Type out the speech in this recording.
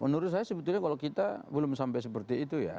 menurut saya sebetulnya kalau kita belum sampai seperti itu ya